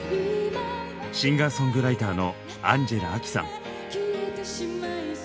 シンガーソングライターのアンジェラ・アキさん。